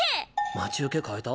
待ち受け変えた？